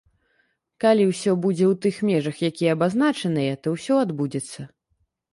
Калі ўсё будзе ў тых межах, якія абазначаныя, то ўсё адбудзецца.